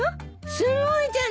すごいじゃない！